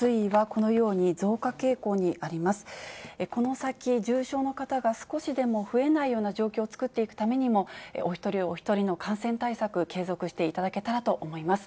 この先、重症の方が少しでも増えないような状況を作っていくためにも、お一人お一人の感染対策、継続していただけたらと思います。